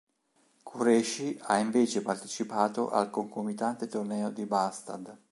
Qureshi ha invece partecipato al concomitante torneo di Båstad.